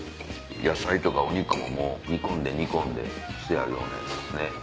野菜とかお肉も煮込んで煮込んでしてあるようなやつですね。